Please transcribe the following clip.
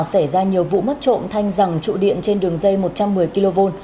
xảy ra nhiều vụ mất trộm thanh rằng trụ điện trên đường dây một trăm một mươi kv